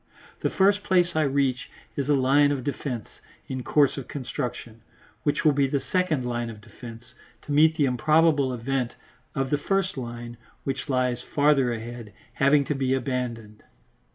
The first place I reach is a line of defence in course of construction, which will be the second line of defence, to meet the improbable event of the first line, which lies farther ahead, having to be abandoned.